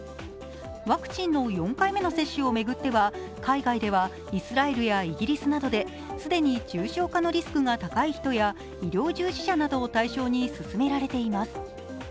ワクチンの４回目の接種を巡っては海外ではイスラエルやイギリスなどで既に重症化のリスクが高い人や医療従事者などを対象に進められています。